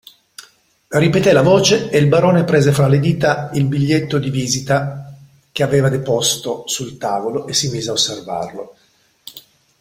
Ripeté la voce e il barone prese fra le dita il biglietto di visita che aveva deposto sul tavolo e si mise a osservarlo.